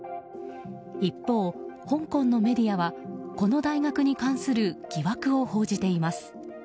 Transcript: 一方、香港のメディアはこの大学に関する疑惑報じています。